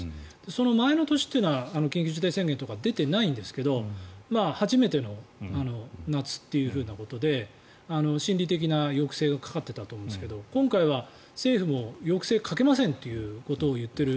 その前の年というのは緊急事態宣言とかは出てないんですが初めての夏ということで心理的な抑制がかかっていたと思うんですけど今回は政府も抑制をかけませんっていうことを言っている。